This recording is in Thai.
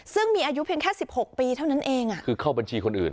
ซึ่งมีอายุเพียงแค่๑๖ปีเท่านั้นเองคือเข้าบัญชีคนอื่น